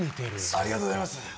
ありがとうございます。